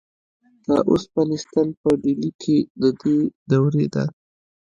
د اوسپنې ستن په ډیلي کې د دې دورې ده.